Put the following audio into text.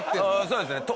そうですね。